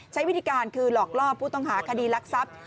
ใช้วิธีการคือหลอกล่อผู้ต้องหาคดีรักทรัพย์